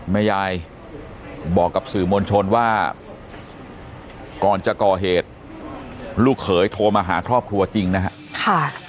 แม่ยายบอกกับสื่อมวลชนว่าก่อนจะก่อเหตุลูกเขยโทรมาหาครอบครัวจริงนะครับ